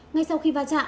ngay sau khi va chạm